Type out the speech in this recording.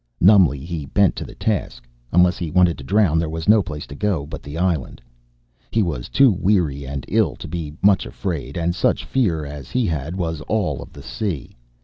Numbly, he bent to the task. Unless he wanted to drown, there was no place to go but the island. He was too weary and ill to be much afraid, and such fear as he had was all of the sea.